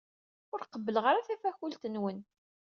Ur qebbleɣ ara tafakult-nwen.